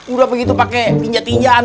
udah begitu pakai tinja tinjaan